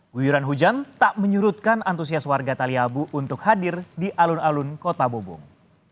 guyuran hujan tak menyurutkan antusias warga taliabu untuk hadir di alun alun kota bobong